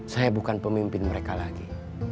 saya bukan pemimpin mereka lagi